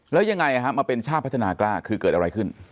แล้วยังไงมาเป็นชาติพัฒนากล้าคือเกิดอะไรขึ้น